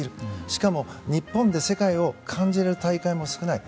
しかも、日本で世界を感じられる大会も少ない。